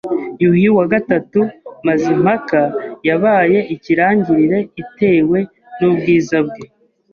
Yuhi III Mazimpaka yabaye ikirangirire itewe n’ubwiza bwe